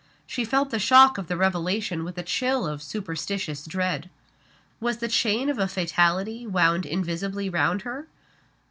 She felt the shock of the revelation with a chill of superstitious dread. Was the chain of a fatality wound invisibly round her?